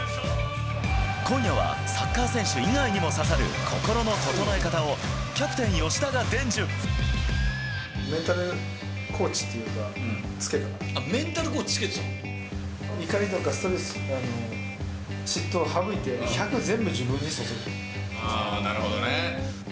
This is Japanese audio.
今夜はサッカー選手以外にも刺さる心の整え方をキャプテン、メンタルコーチっていうか、メンタルコーチ、怒りとかストレスとか、嫉妬を省いて、１００、なるほどね。